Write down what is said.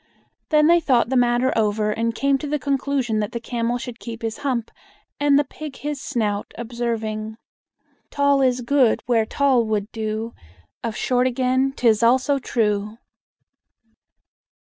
Then they thought the matter over, and came to the conclusion that the camel should keep his hump and the pig his snout, observing: "Tall is good, where tall would do; Of short, again, 't is also true!"